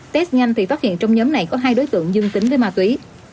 test nhanh thì phát hiện trong nhóm này có hai đối tượng dương tính với ma túy